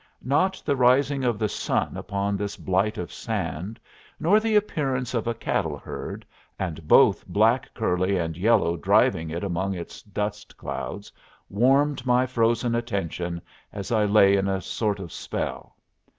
Not the rising of the sun upon this blight of sand, nor the appearance of a cattle herd, and both black curly and yellow driving it among its dust clouds, warmed my frozen attention as I lay in a sort of spell.